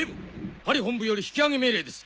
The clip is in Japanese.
パリ本部より引き揚げ命令です。